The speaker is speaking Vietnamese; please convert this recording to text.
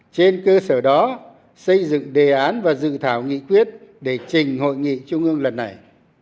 trên cơ sở đó xây dựng đề án và dự thảo nghị quyết để trình hội nghị trung ương lần này